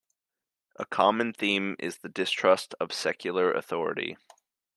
A common theme is the distrust of secular authority.